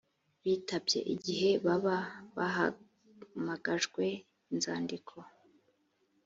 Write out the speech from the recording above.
bitabye igihe baba bahamagajwe inzandiko